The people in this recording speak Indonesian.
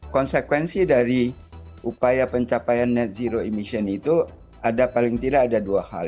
konsekuensi dari upaya pencapaian net zero emission itu ada paling tidak ada dua hal